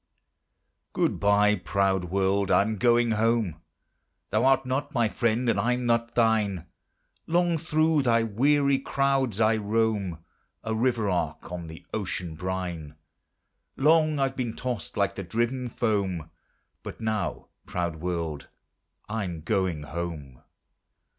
Good bye, proud world, I'm going home: Thou art not my friend, and I'm not thine. Long through thy weary crowds I roam; A river ark on the ocean brine, Long I've been tossed like the driven foam, But now, proud world, I'm going home.